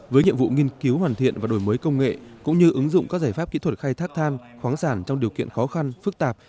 với nhiệm vụ nghiên cứu hoàn thiện và đổi mới công nghệ cũng như ứng dụng các giải pháp kỹ thuật khai thác than khoáng sản trong điều kiện khó khăn phức tạp